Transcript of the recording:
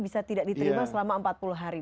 bisa tidak diterima selama empat puluh hari